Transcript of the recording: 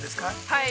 ◆はい。